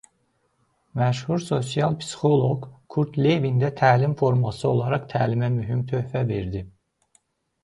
Məşhur sosial psixoloq Kurt Levin də təlim forması olaraq təlimə mühüm töhfə verdi.